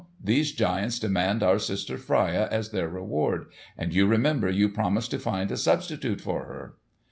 These giants demand our sister Freia as their reward; and you remember you promised to find a substitute for her."